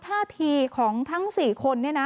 ท่าทีของทั้ง๔คน